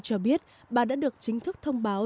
cho biết bà đã được chính thức thông báo